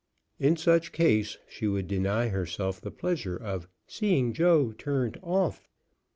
In such case she would deny herself the pleasure of "seeing Joe turned off."